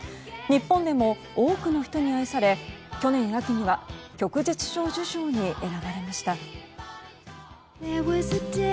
日本でも多くの人に愛され去年秋には旭日小綬章に選ばれました。